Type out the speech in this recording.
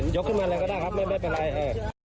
ยกขึ้นมาอะไรก็ได้ครับไม่เป็นไร